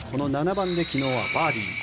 ７番で昨日はバーディー。